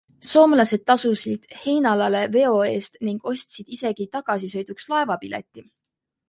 Soomlased tasusid Heinalale veo eest ning ostsid isegi tagasisõiduks laevapileti.